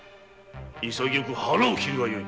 潔く腹を切るがよい。